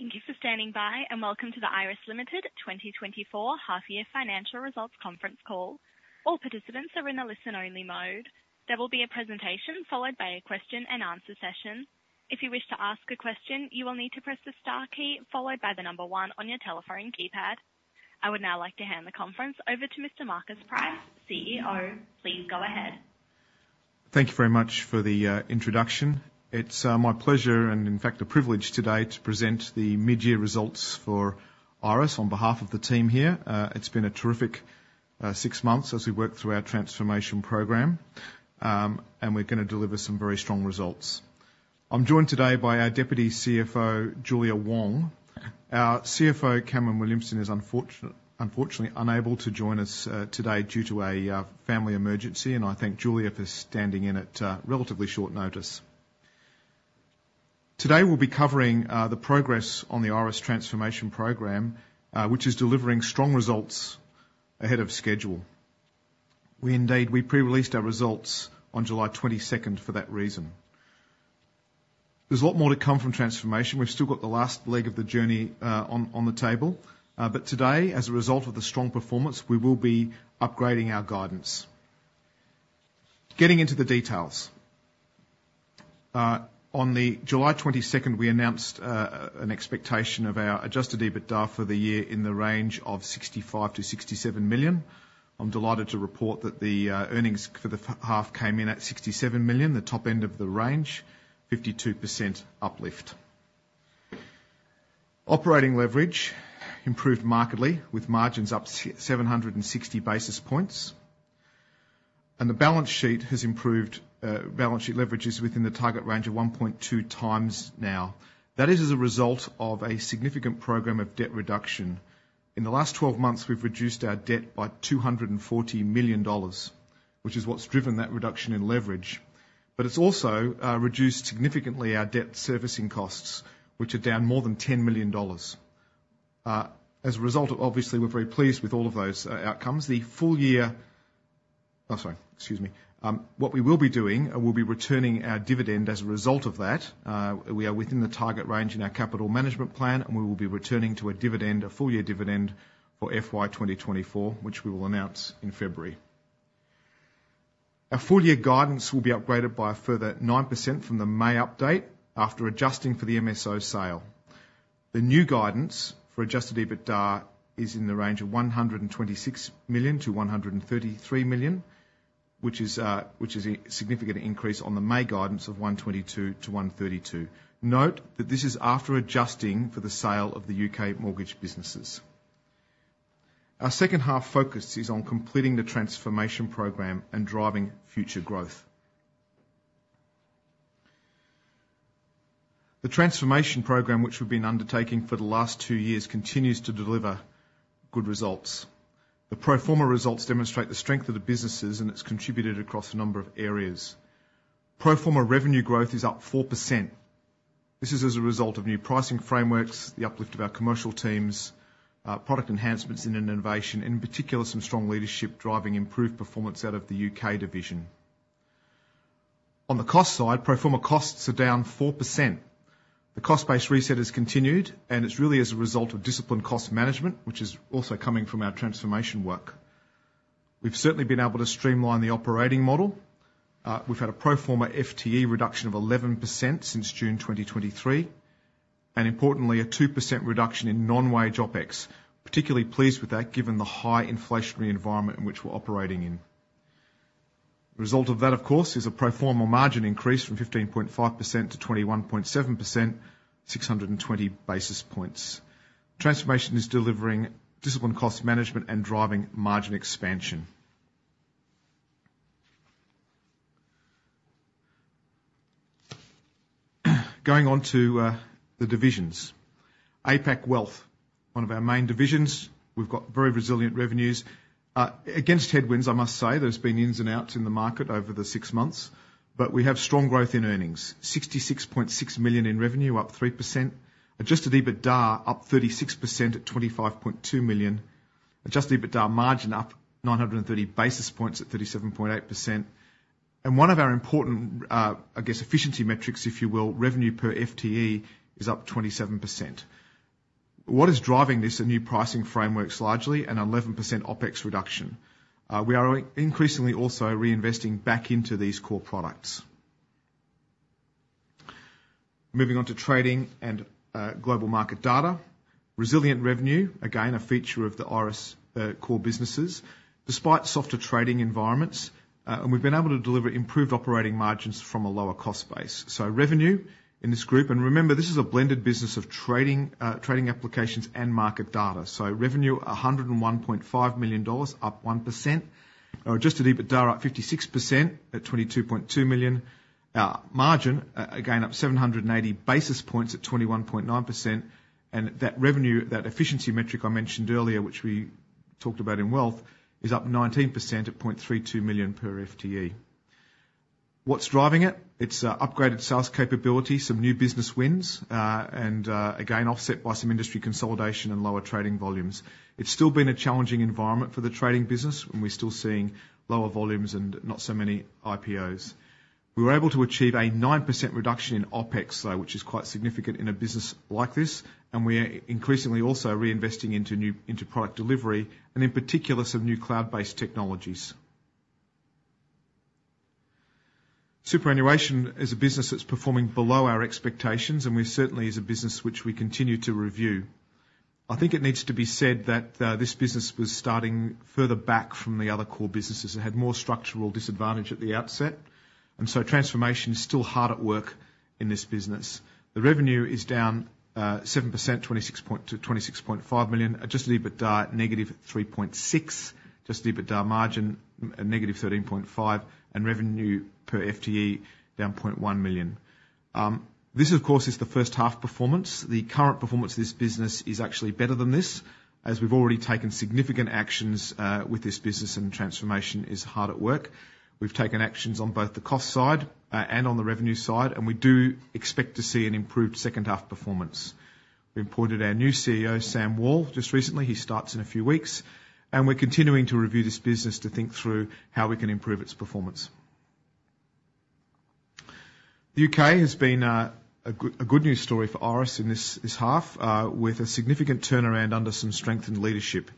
Thank you for standing by, and Welcome to the Iress Limited 2024 half-year financial results conference call. All participants are in a listen-only mode. There will be a presentation followed by a question-and-answer session. If you wish to ask a question, you will need to press the star key followed by the number one on your telephone keypad. I would now like to hand the conference over to Mr. Marcus Price, CEO. Please go ahead. Thank you very much for the introduction. It's my pleasure and, in fact, a privilege today to present the mid-year results for Iress on behalf of the team here. It's been a terrific six months as we work through our transformation program, and we're gonna deliver some very strong results. I'm joined today by our Deputy CFO, Julia Wong. Our CFO, Cameron Williamson, is unfortunately unable to join us today due to a family emergency, and I thank Julia for standing in at relatively short notice. Today, we'll be covering the progress on the Iress Transformation Program, which is delivering strong results ahead of schedule. We indeed pre-released our results on July 22nd for that reason. There's a lot more to come from transformation. We've still got the last leg of the journey on the table, but today, as a result of the strong performance, we will be upgrading our guidance. Getting into the details. On the July 22nd, we announced an expectation of our adjusted EBITDA for the year in the range of 65 million-67 million. I'm delighted to report that the earnings for the half came in at 67 million, the top end of the range, 52% uplift. Operating leverage improved markedly, with margins up 760 basis points, and the balance sheet has improved. Balance sheet leverage is within the target range of 1.2x now. That is as a result of a significant program of debt reduction. In the last 12 months, we've reduced our debt by 240 million dollars, which is what's driven that reduction in leverage. But it's also reduced significantly our debt servicing costs, which are down more than 10 million dollars. As a result, obviously, we're very pleased with all of those outcomes. What we will be doing, we'll be returning our dividend as a result of that. We are within the target range in our capital management plan, and we will be returning to a dividend, a full-year dividend for FY 2024, which we will announce in February. Our full-year guidance will be upgraded by a further 9% from the May update after adjusting for the MSO sale. The new guidance for adjusted EBITDA is in the range of 126 million-133 million, which is, which is a significant increase on the May guidance of 122 million-132 million. Note that this is after adjusting for the sale of the U.K. mortgage businesses. Our second half focus is on completing the Transformation Program and driving future growth. The Transformation Program, which we've been undertaking for the last two years, continues to deliver good results. The pro forma results demonstrate the strength of the businesses, and it's contributed across a number of areas. Pro forma revenue growth is up 4%. This is as a result of new pricing frameworks, the uplift of our commercial teams, product enhancements in innovation, and in particular, some strong leadership driving improved performance out of the U.K. division. On the cost side, pro forma costs are down 4%. The cost base reset has continued, and it's really as a result of disciplined cost management, which is also coming from our transformation work. We've certainly been able to streamline the operating model. We've had a pro forma FTE reduction of 11% since June 2023, and importantly, a 2% reduction in non-wage OpEx. Particularly pleased with that given the high inflationary environment in which we're operating in. The result of that, of course, is a pro forma margin increase from 15.5%-21.7%, 620 basis points. Transformation is delivering disciplined cost management and driving margin expansion. Going on to the divisions. APAC Wealth, one of our main divisions, we've got very resilient revenues. Against headwinds, I must say, there's been ins and outs in the market over the six months, but we have strong growth in earnings. 66.6 million in revenue, up 3%. Adjusted EBITDA, up 36% at 25.2 million. Adjusted EBITDA margin up 930 basis points at 37.8%, and one of our important, I guess, efficiency metrics, if you will, revenue per FTE, is up 27%. What is driving this? The new pricing frameworks, largely, and 11% OpEx reduction. We are increasingly also reinvesting back into these core products. Moving on to trading and global market data. Resilient revenue, again, a feature of the Iress core businesses, despite softer trading environments, and we've been able to deliver improved operating margins from a lower cost base. So revenue in this group, and remember, this is a blended business of trading, trading applications and market data. So revenue, AUD 101.5 million, up 1%. Our adjusted EBITDA, up 56% at 22.2 million. Our margin, again, up 780 basis points at 21.9%, and that revenue, that efficiency metric I mentioned earlier, which we talked about in Wealth, is up 19% at 0.32 million per FTE. What's driving it? It's upgraded sales capability, some new business wins, and again, offset by some industry consolidation and lower trading volumes. It's still been a challenging environment for the trading business, and we're still seeing lower volumes and not so many IPOs. We were able to achieve a 9% reduction in OpEx, though, which is quite significant in a business like this, and we are increasingly also reinvesting into product delivery, and in particular, some new cloud-based technologies. Superannuation is a business that's performing below our expectations, and we certainly is a business which we continue to review. I think it needs to be said that this business was starting further back from the other core businesses. It had more structural disadvantage at the outset, and so transformation is still hard at work in this business. The revenue is down 7%, to 26.5 million. Adjusted EBITDA, -3.6 million. Adjusted EBITDA margin, -13.5%, and revenue per FTE, down 0.1 million. This, of course, is the first half performance. The current performance of this business is actually better than this, as we've already taken significant actions with this business, and transformation is hard at work. We've taken actions on both the cost side and on the revenue side, and we do expect to see an improved second half performance. We appointed our new CEO, Sam Wall, just recently. He starts in a few weeks, and we're continuing to review this business to think through how we can improve its performance. The U.K. has been a good news story for Iress in this half with a significant turnaround under some strengthened leadership.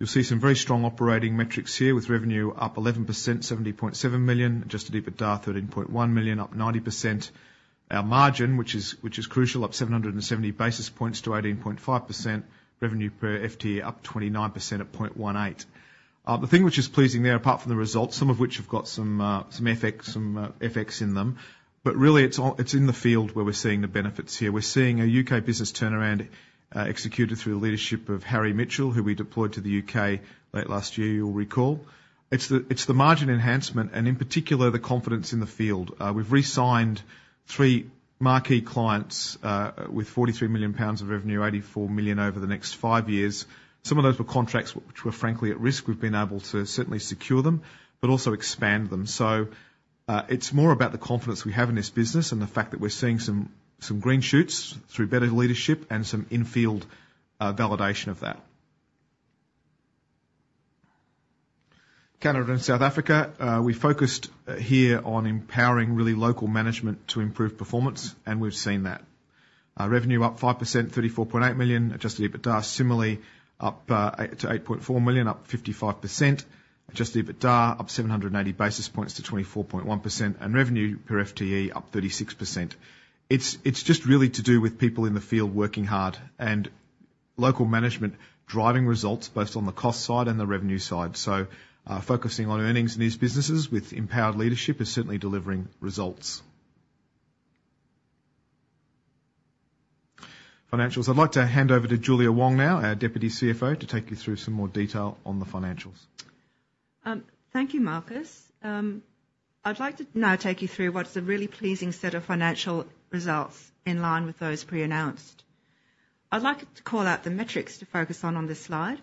You'll see some very strong operating metrics here, with revenue up 11%, 70.7 million. Adjusted EBITDA, 13.1 million, up 90%. Our margin, which is crucial, up 770 basis points to 18.5%. Revenue per FTE up 29% at 0.18. The thing which is pleasing there, apart from the results, some of which have got some FX in them, but really it's in the field where we're seeing the benefits here. We're seeing a U.K. business turnaround, executed through the leadership of Harry Mitchell, who we deployed to the U.K. late last year, you'll recall. It's the margin enhancement and, in particular, the confidence in the field. We've re-signed 3 marquee clients with 43 million pounds of revenue, 84 million over the next five years. Some of those were contracts which were frankly at risk. We've been able to certainly secure them, but also expand them. So, it's more about the confidence we have in this business and the fact that we're seeing some green shoots through better leadership and some in-field validation of that. Canada and South Africa, we focused here on empowering really local management to improve performance, and we've seen that. Revenue up 5%, 34.8 million. Adjusted EBITDA, similarly, up 8% to 8.4 million, up 55%. Adjusted EBITDA up 780 basis points to 24.1%, and revenue per FTE up 36%. It's just really to do with people in the field working hard and local management driving results both on the cost side and the revenue side. So, focusing on earnings in these businesses with empowered leadership is certainly delivering results. Financials. I'd like to hand over to Julia Wong now, our Deputy CFO, to take you through some more detail on the financials. Thank you, Marcus. I'd like to now take you through what is a really pleasing set of financial results in line with those pre-announced. I'd like to call out the metrics to focus on on this slide.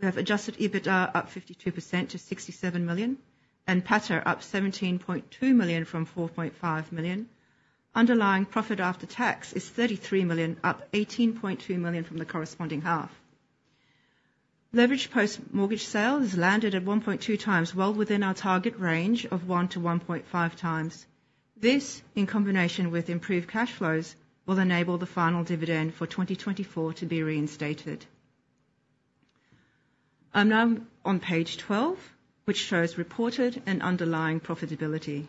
We have adjusted EBITDA up 52% to 67 million, NPATA up 17.2 million from 4.5 million. Underlying profit after tax is 33 million, up 18.2 million from the corresponding half. Leverage post-mortgage sales landed at 1.2x, well within our target range of 1x-1.5x. This, in combination with improved cash flows, will enable the final dividend for 2024 to be reinstated. I'm now on page 12, which shows reported and underlying profitability.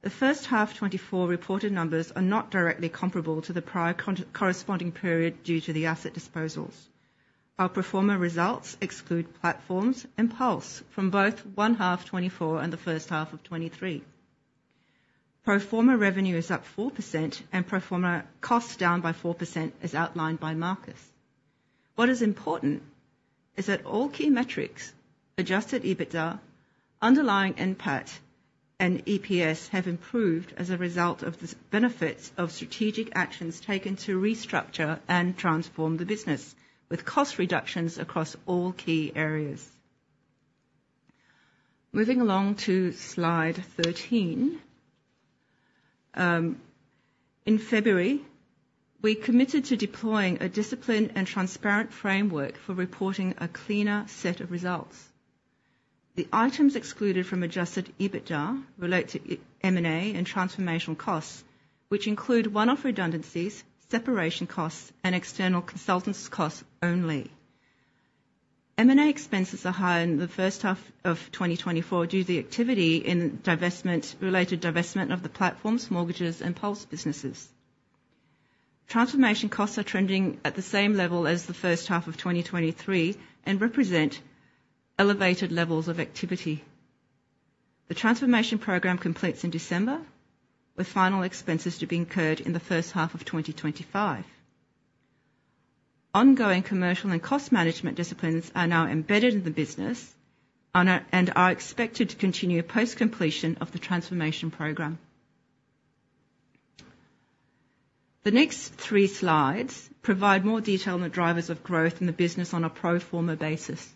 The first half 2024 reported numbers are not directly comparable to the prior corresponding period due to the asset disposals. Our pro forma results exclude Platforms and Pulse from both 1H 2024 and the first half of 2023. Pro forma revenue is up 4% and pro forma costs down by 4%, as outlined by Marcus. What is important is that all key metrics, adjusted EBITDA, underlying NPAT and EPS, have improved as a result of the benefits of strategic actions taken to restructure and transform the business, with cost reductions across all key areas. Moving along to slide 13. In February, we committed to deploying a disciplined and transparent framework for reporting a cleaner set of results. The items excluded from adjusted EBITDA relate to M&A and transformational costs, which include one-off redundancies, separation costs, and external consultants costs only. M&A expenses are high in the first half of 2024 due to the activity in divestment, related divestment of the Platforms, Mortgages, and Pulse businesses. Transformation costs are trending at the same level as the first half of 2023 and represent elevated levels of activity. The transformation program completes in December, with final expenses to be incurred in the first half of 2025. Ongoing commercial and cost management disciplines are now embedded in the business and are expected to continue post-completion of the transformation program. The next three slides provide more detail on the drivers of growth in the business on a pro forma basis.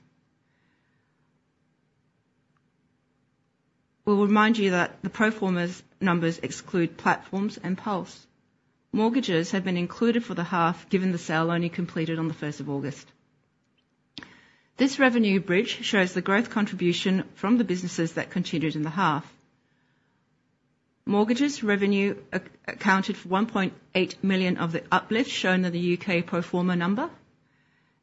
We'll remind you that the pro forma numbers exclude Platforms and Pulse. Mortgages have been included for the half, given the sale only completed on the first of August. This revenue bridge shows the growth contribution from the businesses that continued in the half. Mortgages revenue accounted for 1.8 million of the uplift shown in the U.K. pro forma number,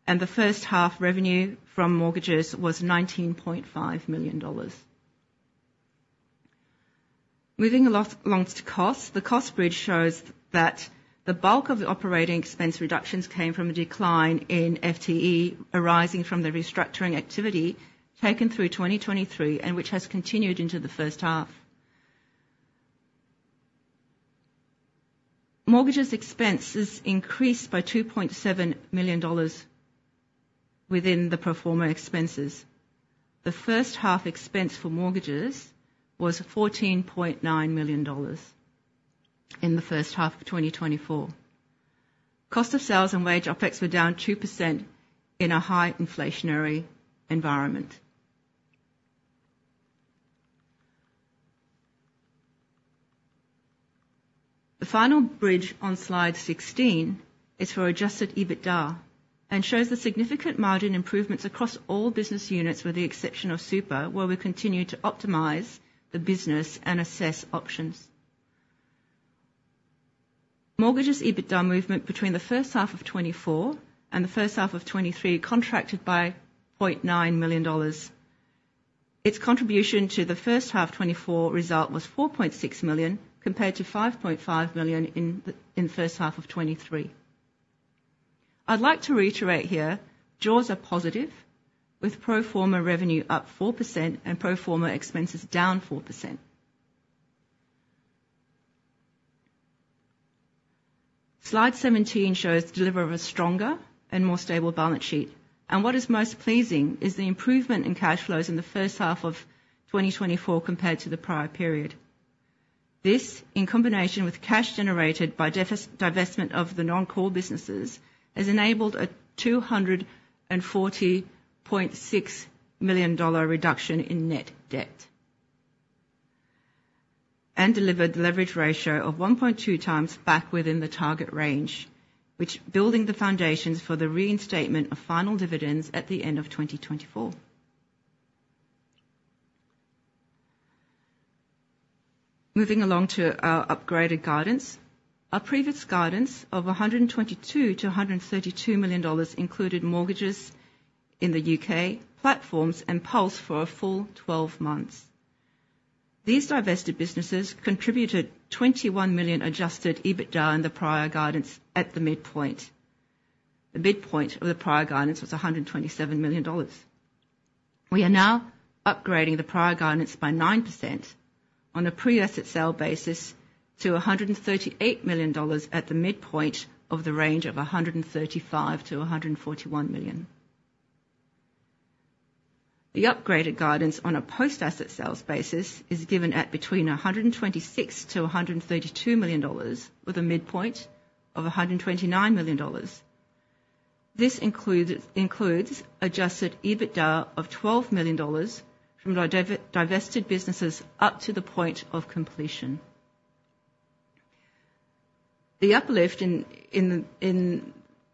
and the first half revenue from Mortgages was 19.5 million dollars. Moving along to cost. The cost bridge shows that the bulk of the operating expense reductions came from a decline in FTE, arising from the restructuring activity taken through 2023 and which has continued into the first half. Mortgages expenses increased by 2.7 million dollars within the pro forma expenses. The first half expense for Mortgages was 14.9 million dollars in the first half of 2024. Cost of sales and wage OpEx were down 2% in a high inflationary environment. The final bridge on slide 16 is for adjusted EBITDA and shows the significant margin improvements across all business units, with the exception of Super, where we continue to optimize the business and assess options. Mortgages EBITDA movement between the first half of 2024 and the first half of 2023, contracted by 0.9 million dollars. Its contribution to the first half 2024 result was 4.6 million, compared to 5.5 million in the first half of 2023. I'd like to reiterate here, jaws are positive, with pro forma revenue up 4% and pro forma expenses down 4%. Slide 17 shows the delivery of a stronger and more stable balance sheet, and what is most pleasing is the improvement in cash flows in the first half of 2024 compared to the prior period. This, in combination with cash generated by divestment of the non-core businesses, has enabled a 240.6 million dollar reduction in net debt and delivered the leverage ratio of 1.2x back within the target range, which building the foundations for the reinstatement of final dividends at the end of 2024. Moving along to our upgraded guidance. Our previous guidance of 122 million-132 million dollars included Mortgages in the U.K., Platforms, and Pulse for a full twelve months. These divested businesses contributed 21 million adjusted EBITDA in the prior guidance at the midpoint. The midpoint of the prior guidance was 127 million dollars. We are now upgrading the prior guidance by 9% on a pre-asset sale basis to 138 million dollars at the midpoint of the range of 135 million-141 million. The upgraded guidance on a post-asset sales basis is given at between 126 million-132 million dollars, with a midpoint of 129 million dollars. This includes adjusted EBITDA of 12 million dollars from divested businesses up to the point of completion. The uplift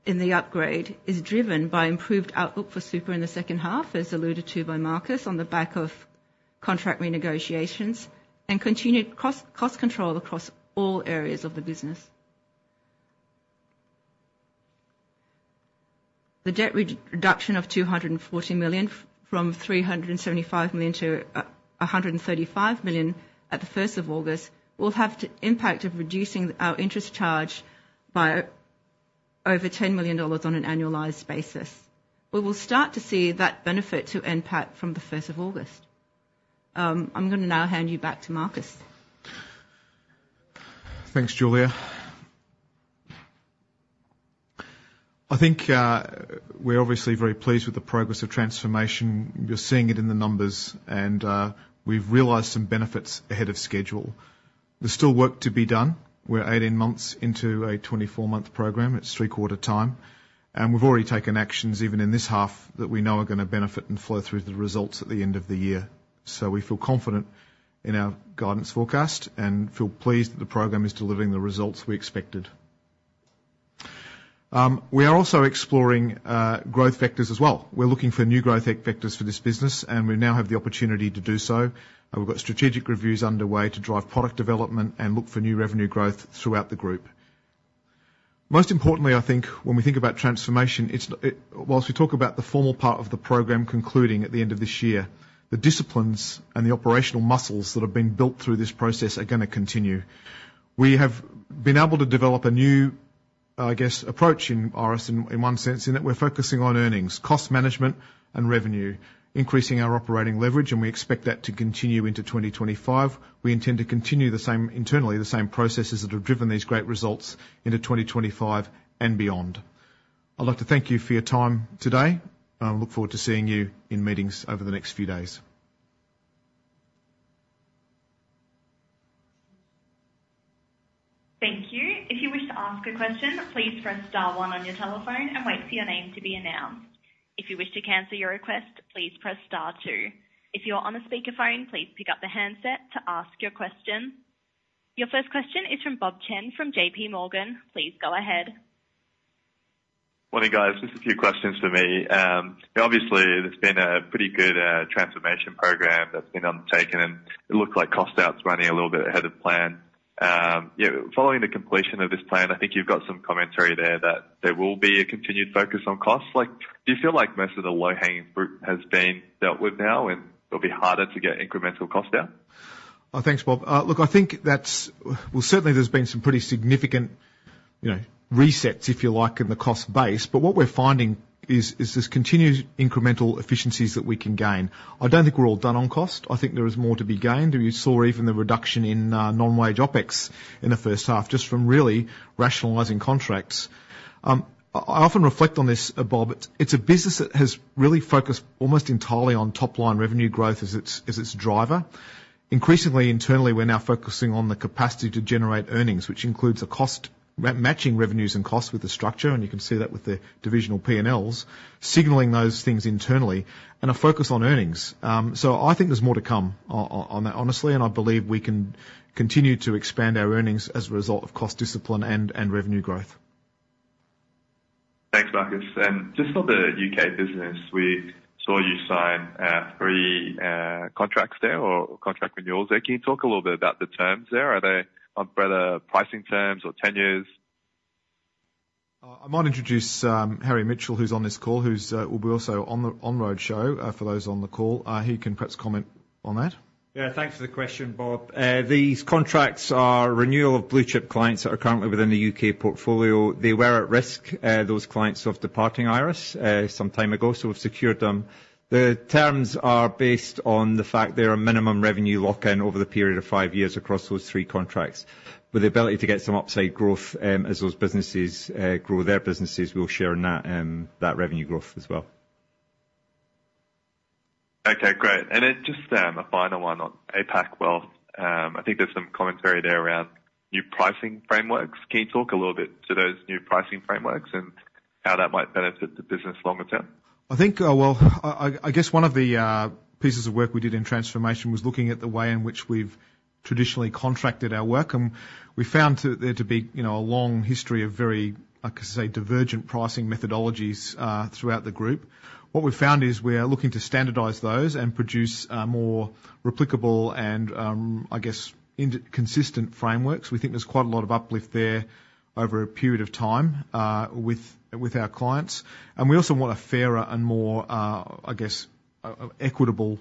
in the upgrade is driven by improved outlook for Super in the second half, as alluded to by Marcus, on the back of contract renegotiations and continued cost control across all areas of the business. The debt reduction of AUD 240 million from AUD 375 million to AUD 135 million at the first of August will have the impact of reducing our interest charge by over 10 million dollars on an annualized basis. We will start to see that benefit to NPAT from the first of August. I'm going to now hand you back to Marcus. Thanks, Julia. I think, we're obviously very pleased with the progress of transformation. You're seeing it in the numbers, and, we've realized some benefits ahead of schedule. There's still work to be done. We're 18 months into a 24-month program. It's three-quarter time, and we've already taken actions, even in this half, that we know are going to benefit and flow through the results at the end of the year, so we feel confident in our guidance forecast and feel pleased that the program is delivering the results we expected. We are also exploring, growth vectors as well. We're looking for new growth vectors for this business, and we now have the opportunity to do so, and we've got strategic reviews underway to drive product development and look for new revenue growth throughout the group. Most importantly, I think, when we think about transformation, it's. While we talk about the formal part of the program concluding at the end of this year, the disciplines and the operational muscles that have been built through this process are going to continue. We have been able to develop a new, I guess, approach in Iress, in one sense, in that we're focusing on earnings, cost management, and revenue, increasing our operating leverage, and we expect that to continue into 2025. We intend to continue the same internally, the same processes that have driven these great results into 2025 and beyond. I'd like to thank you for your time today, and I look forward to seeing you in meetings over the next few days. Thank you. If you wish to ask a question, please press star one on your telephone and wait for your name to be announced. If you wish to cancel your request, please press star two. If you're on a speakerphone, please pick up the handset to ask your question. Your first question is from Bob Chen from JPMorgan. Please go ahead. Morning, guys. Just a few questions for me. Obviously, there's been a pretty good transformation program that's been undertaken, and it looks like cost out's running a little bit ahead of plan. Yeah, following the completion of this plan, I think you've got some commentary there that there will be a continued focus on costs. Like, do you feel like most of the low-hanging fruit has been dealt with now, and it'll be harder to get incremental cost down? Thanks, Bob. Look, I think that's... Well, certainly there's been some pretty significant, you know, resets, if you like, in the cost base. But what we're finding is there's continued incremental efficiencies that we can gain. I don't think we're all done on cost. I think there is more to be gained. And you saw even the reduction in non-wage OpEx in the first half, just from really rationalizing contracts. I often reflect on this, Bob. It's a business that has really focused almost entirely on top line revenue growth as its driver. Increasingly, internally, we're now focusing on the capacity to generate earnings, which includes a cost-matching revenues and costs with the structure, and you can see that with the divisional P&Ls, signaling those things internally and a focus on earnings. So I think there's more to come on that, honestly, and I believe we can continue to expand our earnings as a result of cost discipline and revenue growth. Thanks, Marcus. And just on the U.K. Business, we saw you sign three contracts there or contract renewals there. Can you talk a little bit about the terms there? Are they on better pricing terms or tenures? I might introduce Harry Mitchell, who's on this call, who will be also on the roadshow for those on the call. He can perhaps comment on that. Yeah, thanks for the question, Bob. These contracts are renewal of blue chip clients that are currently within the U.K. portfolio. They were at risk, those clients of departing Iress, some time ago, so we've secured them. The terms are based on the fact there are minimum revenue lock-in over the period of five years across those three contracts, with the ability to get some upside growth. As those businesses, grow their businesses, we'll share in that, that revenue growth as well. Okay, great. And then just, a final one on APAC Wealth. I think there's some commentary there around new pricing frameworks. Can you talk a little bit to those new pricing frameworks and how that might benefit the business longer term? I think, well, I guess one of the pieces of work we did in transformation was looking at the way in which we've traditionally contracted our work. We found there to be, you know, a long history of very, I could say, divergent pricing methodologies throughout the group. What we've found is we're looking to standardize those and produce more replicable and, I guess, consistent frameworks. We think there's quite a lot of uplift there over a period of time with our clients. We also want a fairer and more, I guess, equitable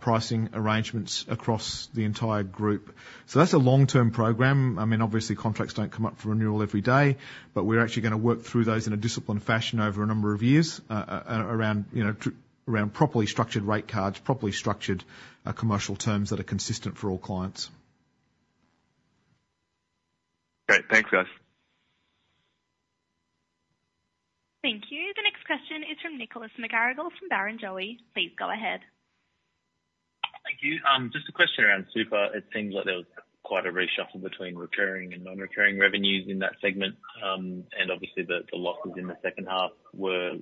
pricing arrangements across the entire group. That's a long-term program. I mean, obviously, contracts don't come up for renewal every day, but we're actually gonna work through those in a disciplined fashion over a number of years, around, you know, around properly structured rate cards, properly structured commercial terms that are consistent for all clients. Great. Thanks, guys. Thank you. The next question is from Nicholas McGarrigle from Barrenjoey. Please go ahead. Thank you. Just a question around Super. It seems like there was quite a reshuffle between recurring and non-recurring revenues in that segment. And obviously, the losses in the second half were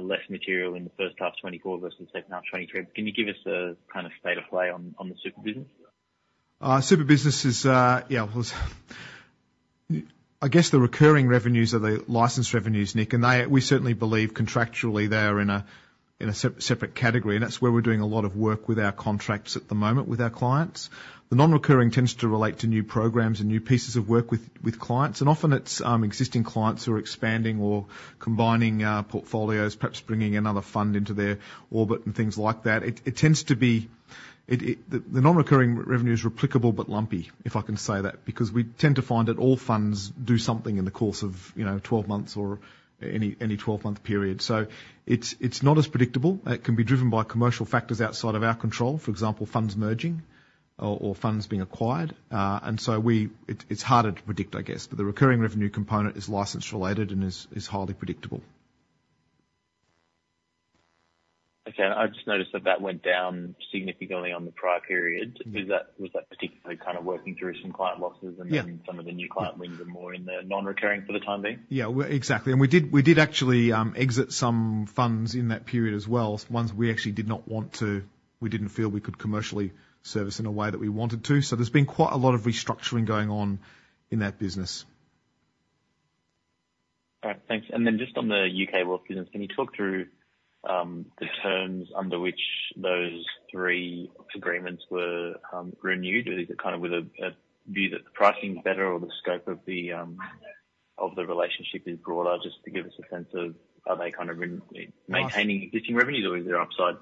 less material in the first half 2024 versus the second half 2023. Can you give us a kind of state of play on the Super business? Super business is yeah, well, I guess the recurring revenues are the licensed revenues, Nic, and they, we certainly believe contractually they are in a, in a separate category, and that's where we're doing a lot of work with our contracts at the moment with our clients. The non-recurring tends to relate to new programs and new pieces of work with clients, and often it's existing clients who are expanding or combining portfolios, perhaps bringing another fund into their orbit and things like that. It tends to be. The non-recurring revenue is replicable, but lumpy, if I can say that, because we tend to find that all funds do something in the course of, you know, 12 months or any 12-month period. So it's not as predictable. It can be driven by commercial factors outside of our control, for example, funds merging or funds being acquired. And so it's harder to predict, I guess, but the recurring revenue component is license-related and is highly predictable. Okay. I just noticed that that went down significantly on the prior period. Mm. Is that, was that particularly kind of working through some client losses- Yeah And then some of the new client wins are more in the non-recurring for the time being? Yeah, well, exactly. And we did, we did actually, exit some funds in that period as well, ones we actually did not want to, we didn't feel we could commercially service in a way that we wanted to. So there's been quite a lot of restructuring going on in that business. All right. Thanks. And then just on the U.K. Royal business, can you talk through the terms under which those three agreements were renewed? Or is it kind of with a view that the pricing is better or the scope of the relationship is broader? Just to give us a sense of, are they kind of maintaining existing revenues or is there upside?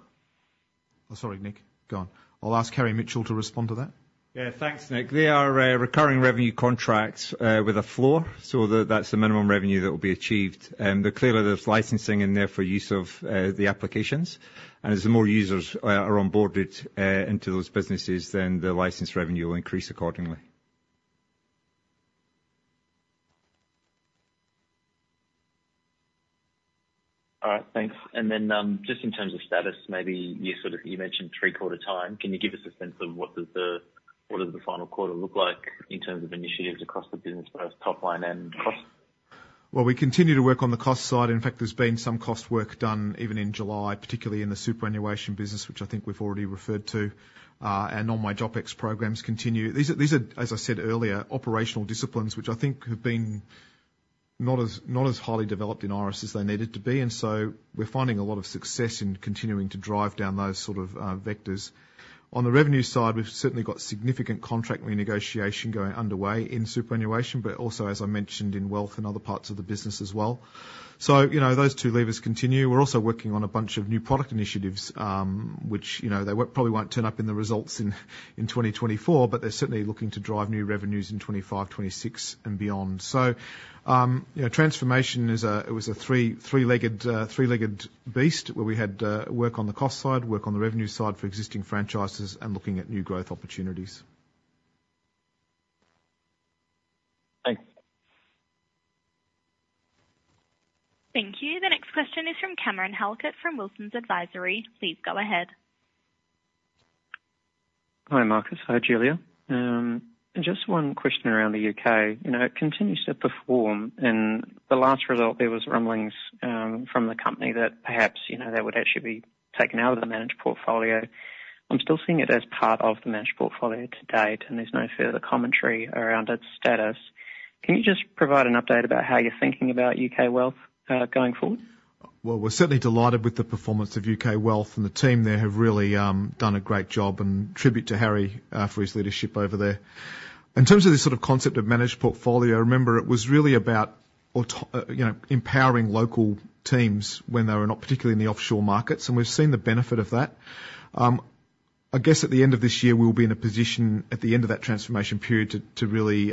Sorry, Nic, go on. I'll ask Harry Mitchell to respond to that. Yeah, thanks, Nic. They are recurring revenue contracts with a floor, so that's the minimum revenue that will be achieved. But clearly, there's licensing in there for use of the applications. And as more users are onboarded into those businesses, then the license revenue will increase accordingly. Thanks. And then, just in terms of status, maybe you sort of- you mentioned three-quarter time. Can you give us a sense of what does the final quarter look like in terms of initiatives across the business, both top line and cost? We continue to work on the cost side. In fact, there's been some cost work done even in July, particularly in the superannuation business, which I think we've already referred to. Non-wage OpEx programs continue. These are, as I said earlier, operational disciplines, which I think have been not as highly developed in Iress as they needed to be, and so we're finding a lot of success in continuing to drive down those sort of vectors. On the revenue side, we've certainly got significant contract renegotiation going underway in superannuation, but also, as I mentioned, in Wealth and other parts of the business as well. You know, those two levers continue. We're also working on a bunch of new product initiatives, which, you know, they probably won't turn up in the results in 2024, but they're certainly looking to drive new revenues in 2025, 2026, and beyond. So, you know, Transformation is it was a three-legged beast, where we had work on the cost side, work on the revenue side for existing franchises and looking at new growth opportunities. Thanks. Thank you. The next question is from Cameron Halkett from Wilsons Advisory. Please go ahead. Hi, Marcus. Hi, Julia. Just one question around the U.K. You know, it continues to perform, and the last result there was rumblings from the company that perhaps, you know, they would actually be taken out of the Managed Portfolio. I'm still seeing it as part of the Managed Portfolio to date, and there's no further commentary around its status. Can you just provide an update about how you're thinking about U.K. Wealth going forward? We're certainly delighted with the performance of U.K. Wealth, and the team there have really done a great job, and tribute to Harry for his leadership over there. In terms of this sort of concept of Managed Portfolio, remember, it was really about you know, empowering local teams when they were not, particularly in the offshore markets, and we've seen the benefit of that. I guess at the end of this year, we'll be in a position at the end of that transformation period to really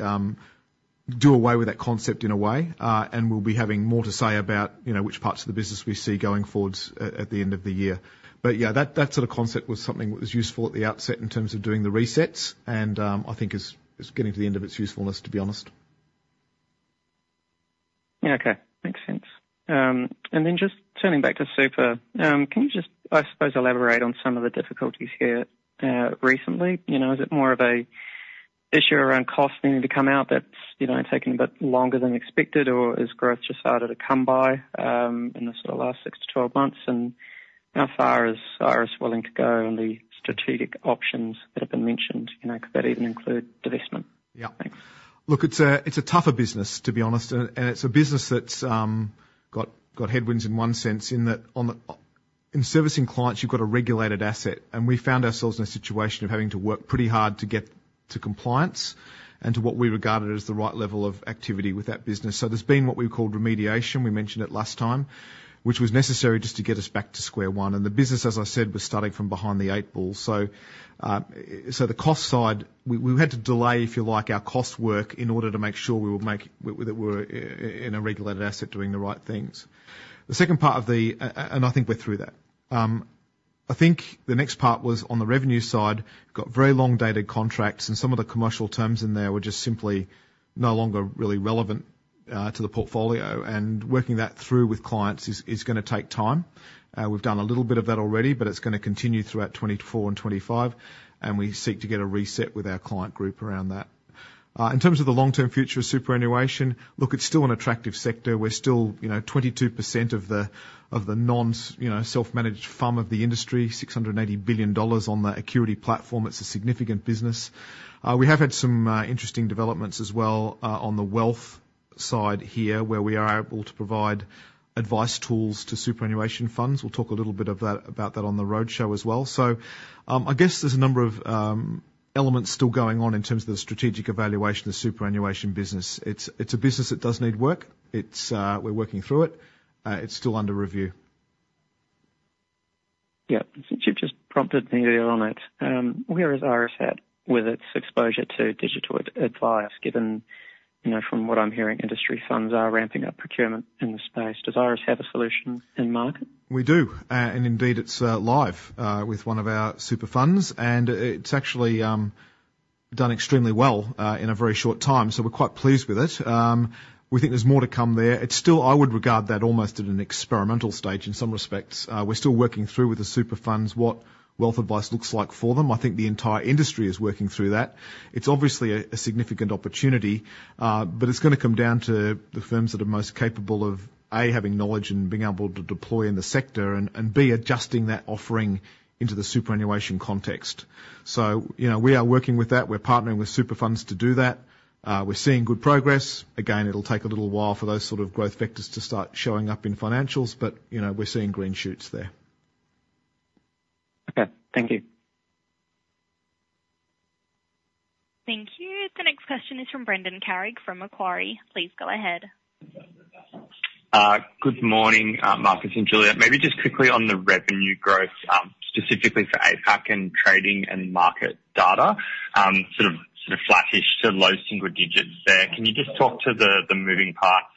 do away with that concept in a way, and we'll be having more to say about you know, which parts of the business we see going forwards at the end of the year. But yeah, that sort of concept was something that was useful at the outset in terms of doing the resets, and I think is getting to the end of its usefulness, to be honest. Yeah, okay. Makes sense. And then just turning back to Super, can you just, I suppose, elaborate on some of the difficulties here, recently? You know, is it more of a issue around cost needing to come out that's, you know, taking a bit longer than expected, or is growth just harder to come by, in the sort of last six to 12 months? And how far is Iress willing to go on the strategic options that have been mentioned? You know, could that even include divestment? Yeah. Thanks. Look, it's a tougher business, to be honest, and it's a business that's got headwinds in one sense, in that in servicing clients, you've got a regulated asset, and we found ourselves in a situation of having to work pretty hard to get to compliance and to what we regarded as the right level of activity with that business. So there's been what we called remediation, we mentioned it last time, which was necessary just to get us back to square one. The business, as I said, was starting from behind the eight ball. So the cost side, we had to delay, if you like, our cost work in order to make sure that we were in a regulated asset doing the right things. The second part of the and I think we're through that. I think the next part was on the revenue side, got very long dated contracts, and some of the commercial terms in there were just simply no longer really relevant to the portfolio. And working that through with clients is gonna take time. We've done a little bit of that already, but it's gonna continue throughout 2024 and 2025, and we seek to get a reset with our client group around that. In terms of the long-term future of superannuation, look, it's still an attractive sector. We're still, you know, 22% of the non, you know, self-managed FUM of the industry, 680 billion dollars on the Acurity platform. It's a significant business. We have had some interesting developments as well on the wealth side here, where we are able to provide advice tools to superannuation funds. We'll talk a little bit of that, about that on the roadshow as well. So, I guess there's a number of elements still going on in terms of the strategic evaluation of Superannuation business. It's a business that does need work. It's we're working through it. It's still under review. Yeah. Since you've just prompted me earlier on it, where is Iress at with its exposure to digital advice, given, you know, from what I'm hearing, industry funds are ramping up procurement in the space? Does Iress have a solution in market? We do. And indeed, it's live with one of our super funds, and it's actually done extremely well in a very short time, so we're quite pleased with it. We think there's more to come there. It's still. I would regard that almost at an experimental stage in some respects. We're still working through with the super funds what wealth advice looks like for them. I think the entire industry is working through that. It's obviously a significant opportunity, but it's gonna come down to the firms that are most capable of A, having knowledge and being able to deploy in the sector, and B, adjusting that offering into the superannuation context. So you know, we are working with that. We're partnering with super funds to do that. We're seeing good progress. Again, it'll take a little while for those sort of growth vectors to start showing up in financials, but, you know, we're seeing green shoots there. Okay. Thank you. Thank you. The next question is from Brendan Carrig, from Macquarie. Please go ahead. Good morning, Marcus and Julia. Maybe just quickly on the revenue growth, specifically for APAC and Trading and Market Data, sort of flattish to low single digits there. Can you just talk to the moving parts,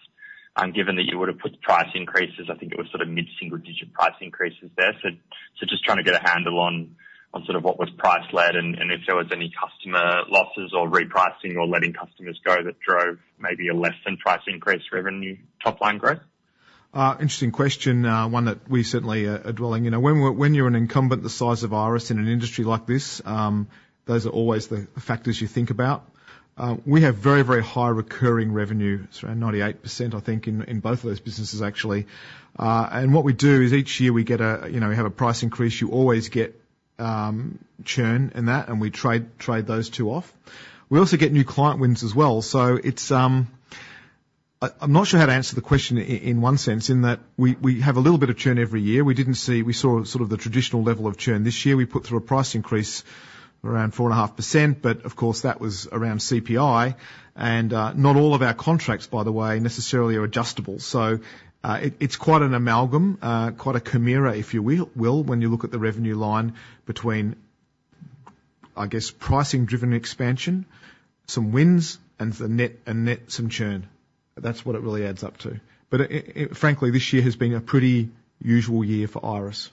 given that you would have put price increases, I think it was sort of mid-single digit price increases there. Just trying to get a handle on sort of what was price led, and if there was any customer losses or repricing or letting customers go that drove maybe a less than price increase revenue, top line growth? Interesting question, one that we certainly are dwelling in. When you're an incumbent the size of Iress in an industry like this, those are always the factors you think about. We have very, very high recurring revenue, it's around 98%, I think, in both of those businesses actually. And what we do is each year we get a, you know, we have a price increase. You always get churn in that, and we trade those two off. We also get new client wins as well. So it's I'm not sure how to answer the question in one sense, in that we have a little bit of churn every year. We saw sort of the traditional level of churn. This year, we put through a price increase around 4.5%, but of course, that was around CPI, and not all of our contracts, by the way, necessarily are adjustable. So, it's quite an amalgam, quite a chimera, if you will, when you look at the revenue line between, I guess, pricing-driven expansion, some wins and the net, and net some churn. That's what it really adds up to. But frankly, this year has been a pretty usual year for Iress.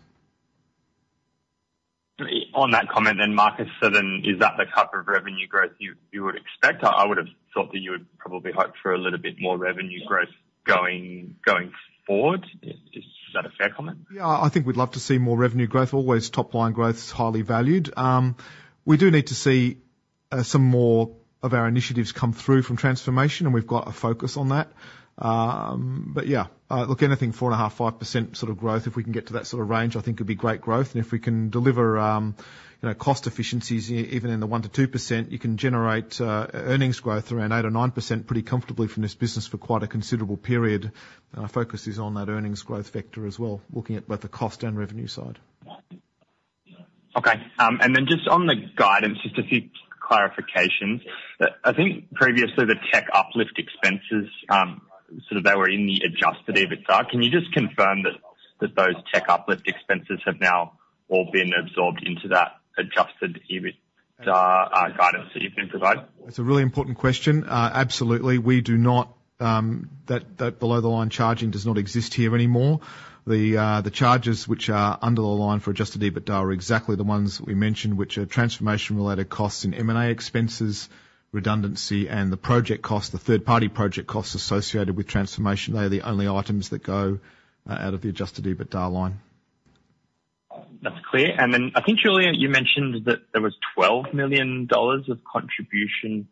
On that comment then, Marcus, so then, is that the type of revenue growth you would expect? I would've thought that you would probably hope for a little bit more revenue growth going forward. Is that a fair comment? Yeah, I think we'd love to see more revenue growth. Always top line growth is highly valued. We do need to see some more of our initiatives come through from transformation, and we've got a focus on that. But yeah, look, anything 4.5%-5% sort of growth, if we can get to that sort of range, I think would be great growth. And if we can deliver, you know, cost efficiencies, even in the 1%-2%, you can generate earnings growth around 8% or 9% pretty comfortably from this business for quite a considerable period. Our focus is on that earnings growth vector as well, looking at both the cost and revenue side. Okay, and then just on the guidance, just a few clarifications. I think previously, the tech uplift expenses, sort of they were in the adjusted EBITDA. Can you just confirm that, that those tech uplift expenses have now all been absorbed into that adjusted EBITDA, guidance that you've been provided? That's a really important question. Absolutely, we do not. That below-the-line charging does not exist here anymore. The charges which are under the line for adjusted EBITDA are exactly the ones we mentioned, which are transformation-related costs and M&A expenses, redundancy, and the project costs, the third-party project costs associated with transformation. They are the only items that go out of the adjusted EBITDA line. That's clear. And then I think, Julia, you mentioned that there was 12 million dollars of contribution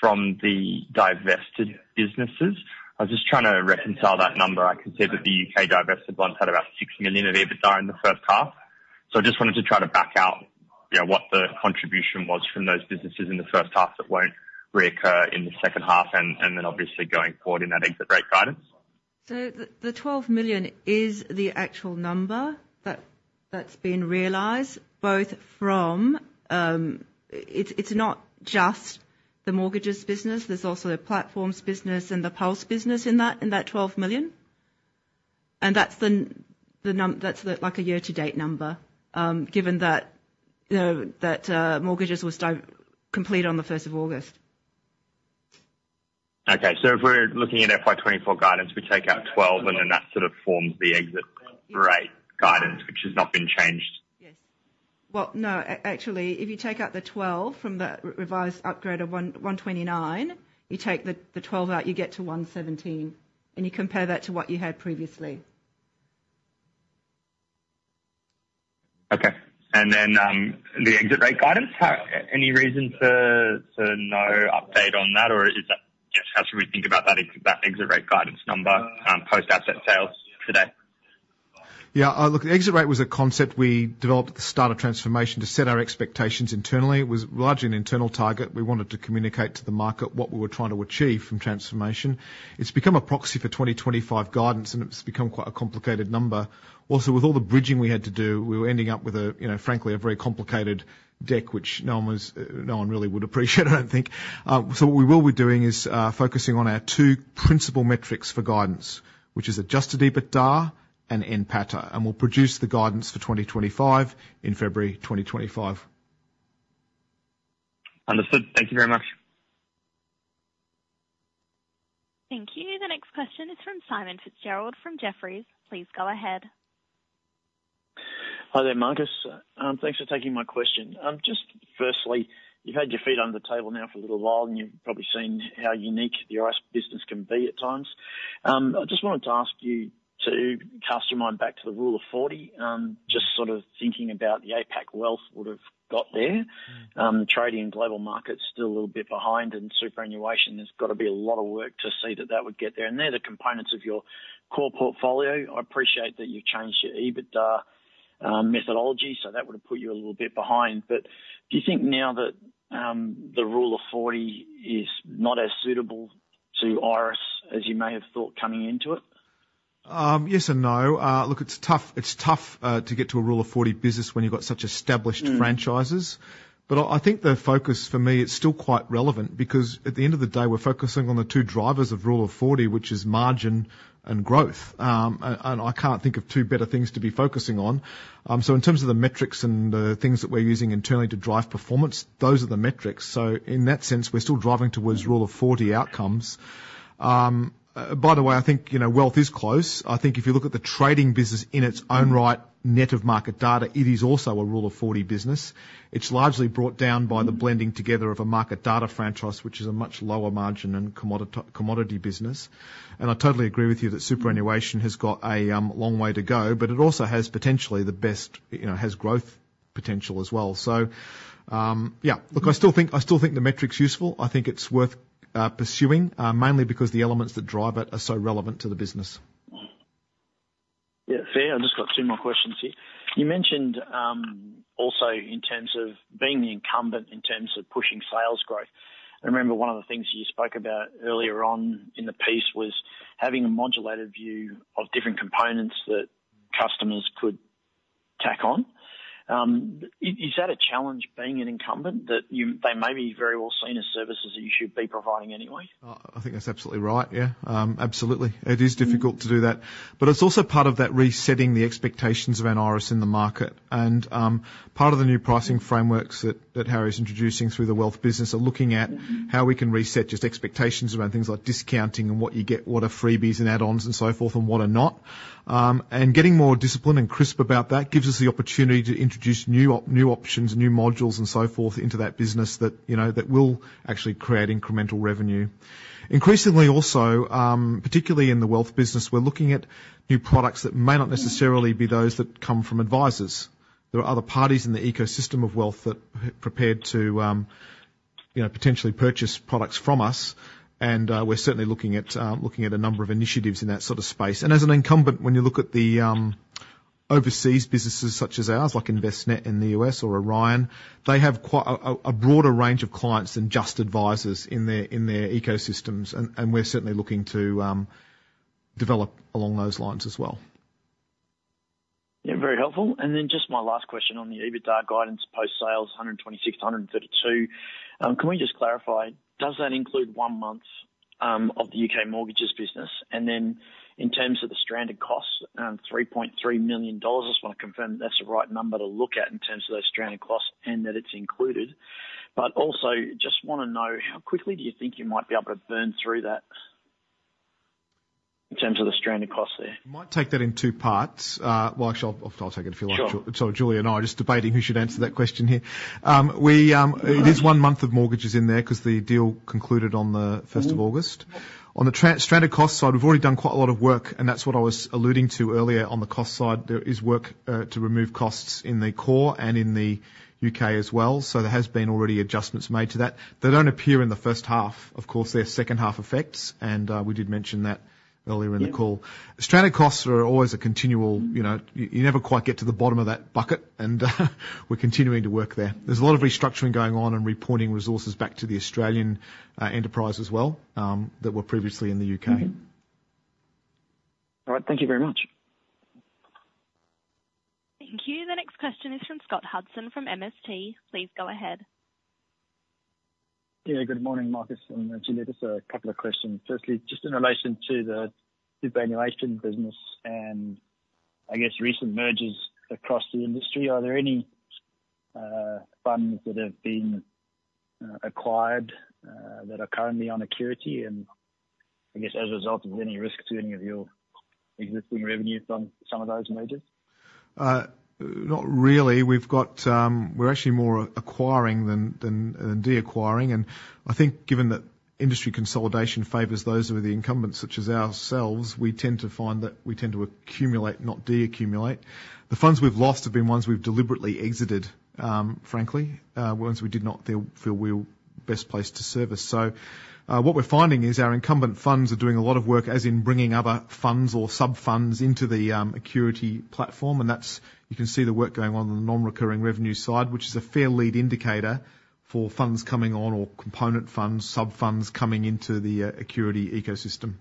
from the divested businesses. I was just trying to reconcile that number. I can see that the U.K. divested ones had about 6 million of EBITDA in the first half. So I just wanted to try to back out, you know, what the contribution was from those businesses in the first half that won't reoccur in the second half and, and then obviously going forward in that exit rate guidance. So the 12 million is the actual number that's been realized both from it. It's not just the mortgage business, there's also a Platforms business and the Pulse business in that 12 million. And that's the number, like a year-to-date number, given that, you know, that mortgage was completed on the first of August. Okay. So if we're looking at FY 2024 guidance, we take out 12, and then that sort of forms the exit rate guidance, which has not been changed? Yes. Well, no, actually, if you take out the 12 million from the revised upgrade of 129 million, you take the 12 million out, you get to 117 million, and you compare that to what you had previously. Okay, and then, the exit rate guidance, any reason to no update on that? Or is that just how should we think about that, that exit rate guidance number, post-asset sales today? Yeah, look, exit rate was a concept we developed at the start of transformation to set our expectations internally. It was largely an internal target. We wanted to communicate to the market what we were trying to achieve from transformation. It's become a proxy for 2025 guidance, and it's become quite a complicated number. Also, with all the bridging we had to do, we were ending up with a, you know, frankly, a very complicated deck, which no one was, no one really would appreciate, I don't think. So what we will be doing is, focusing on our two principal metrics for guidance, which is Adjusted EBITDA and NPATA, and we'll produce the guidance for 2025 in February 2025. Understood. Thank you very much. Thank you. The next question is from Simon Fitzgerald, from Jefferies. Please go ahead. Hi there, Marcus. Thanks for taking my question. Just firstly, you've had your feet under the table now for a little while, and you've probably seen how unique the Iress business can be at times. I just wanted to ask you to cast your mind back to the Rule of 40, just sort of thinking about the APAC Wealth would've got there. The Trading and Market Data is still a little bit behind, and superannuation, there's got to be a lot of work to see that would get there, and they're the components of your core portfolio. I appreciate that you've changed your EBITDA methodology, so that would have put you a little bit behind, but do you think now that the Rule of 40 is not as suitable to Iress as you may have thought coming into it? Yes and no. Look, it's tough to get to a Rule of 40 business when you've got such established franchises. But I think the focus for me is still quite relevant, because at the end of the day, we're focusing on the two drivers of Rule of 40, which is margin and growth. And I can't think of two better things to be focusing on. So in terms of the metrics and the things that we're using internally to drive performance, those are the metrics. So in that sense, we're still driving towards Rule of 40 outcomes. By the way, I think, you know, wealth is close. I think if you look at the trading business in its own right, net of market data, it is also a Rule of 40 business. It's largely brought down by the blending together of a market data franchise, which is a much lower margin and commodity business, and I totally agree with you that superannuation has got a long way to go, but it also has potentially the best, you know, has growth potential as well, so yeah. Look, I still think the metric's useful. I think it's worth pursuing, mainly because the elements that drive it are so relevant to the business. Yeah, fair. I've just got two more questions here. You mentioned also in terms of being the incumbent, in terms of pushing sales growth. I remember one of the things you spoke about earlier on in the piece was having a modulated view of different components that customers could tack on. Is that a challenge being an incumbent that you-- they may be very well seen as services that you should be providing anyway? I think that's absolutely right. Yeah. Absolutely. It is difficult to do that. But it's also part of that resetting the expectations around Iress in the market, and part of the new pricing frameworks that Harry is introducing through the wealth business are looking at how we can reset just expectations around things like discounting and what you get, what are freebies and add-ons and so forth, and what are not, and getting more disciplined and crisp about that gives us the opportunity to introduce new options, new modules, and so forth, into that business that, you know, that will actually create incremental revenue. Increasingly also, particularly in the wealth business, we're looking at new products that may not necessarily be those that come from advisors. There are other parties in the ecosystem of wealth that are prepared to, you know, potentially purchase products from us, and we're certainly looking at a number of initiatives in that sort of space, and as an incumbent, when you look at the overseas businesses such as ours, like Envestnet in the U.S. or Orion, they have quite a broader range of clients than just advisors in their ecosystems, and we're certainly looking to develop along those lines as well. Yeah, very helpful. And then just my last question on the EBITDA guidance, post-sales, 126 million, 132 million. Can we just clarify, does that include one month of the U.K. Mortgages business? And then in terms of the stranded costs, 3.3 million dollars, I just want to confirm that that's the right number to look at in terms of those stranded costs and that it's included. But also, just wanna know, how quickly do you think you might be able to burn through that in terms of the stranded costs there? I might take that in two parts, well, actually, I'll take it if you like- Sure. Sorry, Julia and I are just debating who should answer that question here. We, it is one month of Mortgages in there because the deal concluded on the first of August. On the stranded cost side, we've already done quite a lot of work, and that's what I was alluding to earlier on the cost side. There is work to remove costs in the core and in the U.K. as well, so there has been already adjustments made to that. They don't appear in the first half. Of course, they're second-half effects, and we did mention that earlier in the call. Stranded costs are always a continual, you know... You never quite get to the bottom of that bucket, and we're continuing to work there. There's a lot of restructuring going on and reporting resources back to the Australian enterprise as well that were previously in the U.K. Mm-hmm. All right. Thank you very much. Thank you. The next question is from Scott Hudson, from MST. Please go ahead. Yeah, good morning, Marcus and Julia. Just a couple of questions. Firstly, just in relation to the Superannuation business, and I guess recent mergers across the industry, are there any funds that have been acquired that are currently on Acurity? And I guess as a result of any risk to any of your existing revenues on some of those mergers. Not really. We're actually more acquiring than deacquiring, and I think given that industry consolidation favors those who are the incumbents, such as ourselves, we tend to find that we tend to accumulate, not deaccumulate. The funds we've lost have been ones we've deliberately exited, frankly, ones we did not feel we were best placed to service. What we're finding is our incumbent funds are doing a lot of work, as in bringing other funds or sub-funds into the Acurity platform, and that's. You can see the work going on in the non-recurring revenue side, which is a fair leading indicator for funds coming on or component funds, sub-funds coming into the Acurity ecosystem,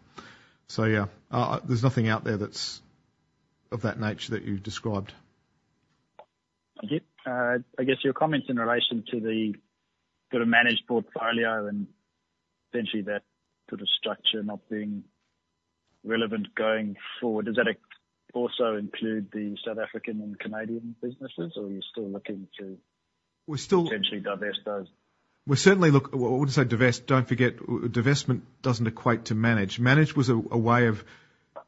so yeah, there's nothing out there that's of that nature that you've described. Okay. I guess your comments in relation to the sort of Managed Portfolio and essentially that sort of structure not being relevant going forward, does that also include the South African and Canadian businesses, or are you still looking to- We're still- potentially divest those? We're certainly. I wouldn't say divest. Don't forget, divestment doesn't equate to manage. Manage was a way of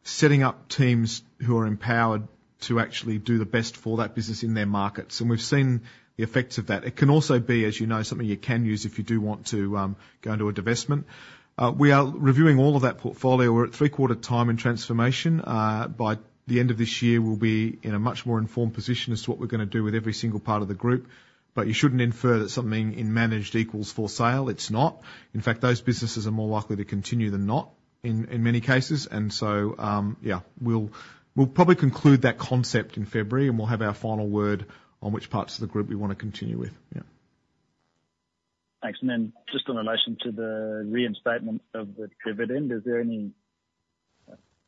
setting up teams who are empowered to actually do the best for that business in their markets, and we've seen the effects of that. It can also be, as you know, something you can use if you do want to go into a divestment. We are reviewing all of that portfolio. We're at three-quarter time and transformation. By the end of this year, we'll be in a much more informed position as to what we're gonna do with every single part of the group. But you shouldn't infer that something in Managed equals for sale. It's not. In fact, those businesses are more likely to continue than not in many cases. And so, yeah, we'll probably conclude that concept in February, and we'll have our final word on which parts of the group we want to continue with. Yeah. Thanks. And then just in relation to the reinstatement of the dividend, is there any,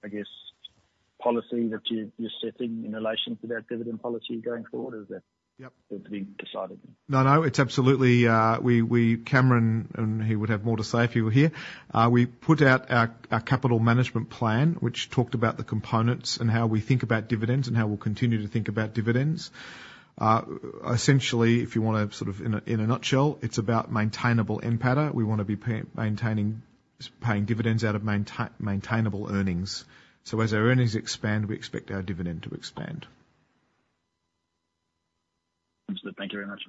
I guess, policy that you're setting in relation to that dividend policy going forward? Is that- Yep. To be decided? No, no, it's absolutely. We, Cameron, and he would have more to say if he were here. We put out our capital management plan, which talked about the components and how we think about dividends and how we'll continue to think about dividends. Essentially, if you wanna sort of in a nutshell, it's about maintainable NPATA. We wanna be paying dividends out of maintainable earnings. So as our earnings expand, we expect our dividend to expand. Understood. Thank you very much.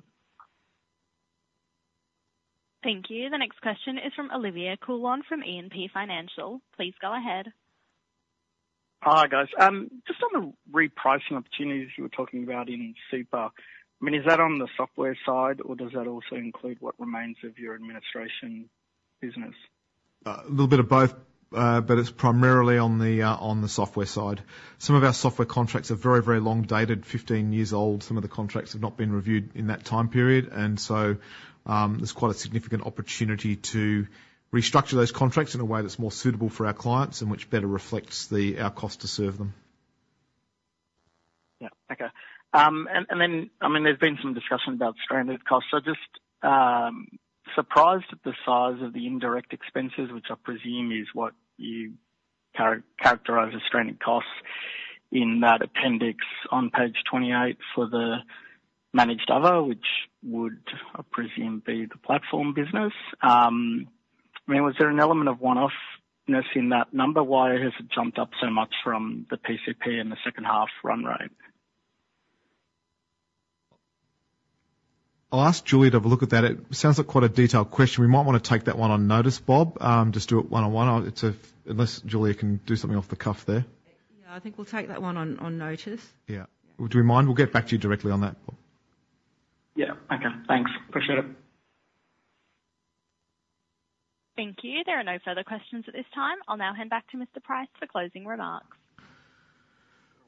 Thank you. The next question is from Olivier Coulon from E&P Financial. Please go ahead. Hi, guys. Just on the repricing opportunities you were talking about in Super, I mean, is that on the software side, or does that also include what remains of your administration business? A little bit of both, but it's primarily on the software side. Some of our software contracts are very, very long dated, 15 years old. Some of the contracts have not been reviewed in that time period, and so, there's quite a significant opportunity to restructure those contracts in a way that's more suitable for our clients and which better reflects our cost to serve them. Yeah, okay. And then, I mean, there's been some discussion about stranded costs. So just surprised at the size of the indirect expenses, which I presume is what you characterize as stranded costs in that appendix on page 28 for the Managed Other, which would, I presume, be the platform business. I mean, was there an element of one-offness in that number? Why has it jumped up so much from the PCP in the second half run rate? I'll ask Julia to have a look at that. It sounds like quite a detailed question. We might wanna take that one on notice, just do it one-on-one. I'll it's a unless Julia can do something off the cuff there. Yeah, I think we'll take that one on, on notice. Yeah. Would you mind? We'll get back to you directly on that. Yeah. Okay, thanks. Appreciate it. Thank you. There are no further questions at this time. I'll now hand back to Mr. Price for closing remarks.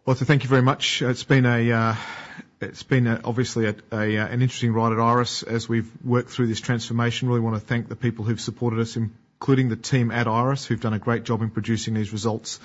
Well, so thank you very much. It's been, obviously, an interesting ride at Iress as we've worked through this transformation. Really wanna thank the people who've supported us, including the team at Iress, who've done a great job in producing these results.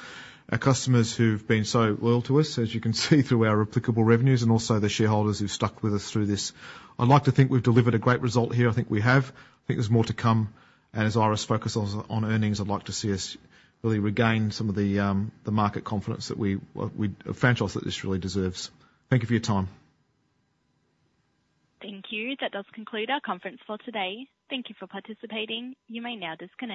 Our customers who've been so loyal to us, as you can see through our recurring revenues. And also the shareholders who've stuck with us through this. I'd like to think we've delivered a great result here. I think we have. I think there's more to come. As Iress focuses on earnings, I'd like to see us really regain some of the market confidence that our franchise really deserves. Thank you for your time. Thank you. That does conclude our conference for today. Thank you for participating. You may now disconnect.